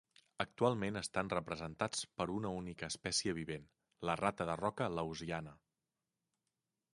Actualment estan representats per una única espècie vivent, la rata de roca laosiana.